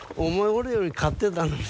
俺より勝ってたのに。